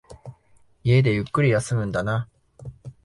家でゆっくり休むんだな。